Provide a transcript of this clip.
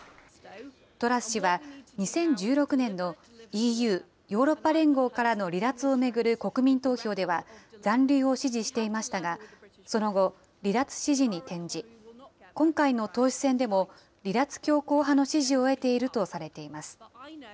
トラス氏は２０１６年のＥＵ・ヨーロッパ連合からの離脱を巡る国民投票では残留を支持していましたが、その後、離脱支持に転じ、今回の党首選でも、離脱強硬派の支持を得ているとされています。